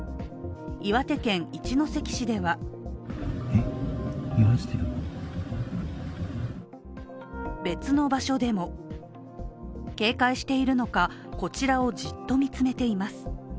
岩手県一関市では別の場所でも警戒しているのか、こちらをじっと見つめています。